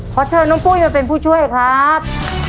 ขอเชิญน้องปุ้ยมาเป็นผู้ช่วยครับ